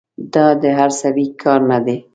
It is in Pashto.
دا د هر سړي کار نه دی.